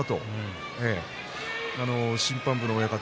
審判部の親方